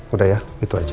udah ya itu aja